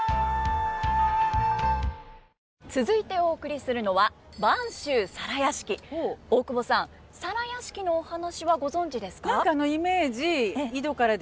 続いてお送りするのは大久保さん「皿屋敷」のお話はご存じですか？